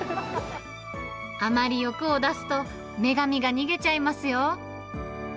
あまり欲を出すと、女神が逃げちゃいますよ。